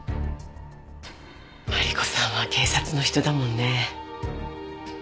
マリコさんは警察の人だもんね。